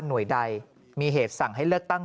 หน่วยใดมีเหตุสั่งให้เลือกตั้ง